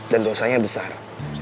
dan dosanya besar